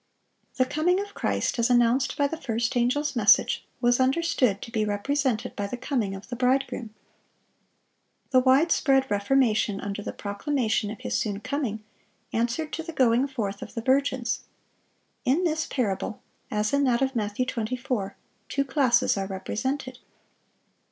The coming of Christ, as announced by the first angel's message, was understood to be represented by the coming of the bridegroom. The wide spread reformation under the proclamation of His soon coming, answered to the going forth of the virgins. In this parable, as in that of Matthew 24, two classes are represented.